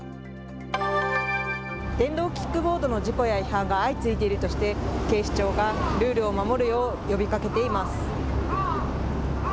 電動キックボードの事故や違反が相次いでいるとして警視庁がルールを守るよう呼びかけています。